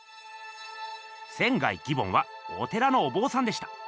仙義梵はお寺のお坊さんでした。